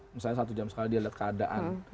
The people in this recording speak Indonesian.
misalnya satu jam sekali dia lihat keadaan